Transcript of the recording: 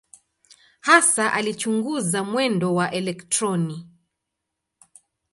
Hasa alichunguza mwendo wa elektroni.